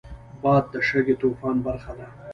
باد د شګهطوفان برخه ده